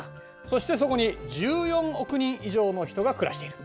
そしてそこに１４億人以上の人が暮らしている。